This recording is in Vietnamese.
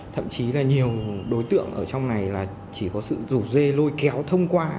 thậm chí là nhiều đối tượng ở trong này là chỉ có sự rủ dê lôi kéo thông qua